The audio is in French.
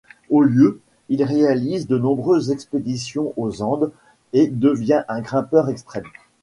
Au lieu, il réalise des nombreuses expéditions aux Andes et devient un grimpeur extrême.